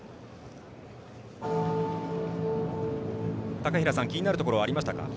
高平さん、気になるところはありましたか？